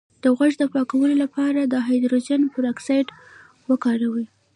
د غوږ د پاکوالي لپاره د هایدروجن پر اکسایډ وکاروئ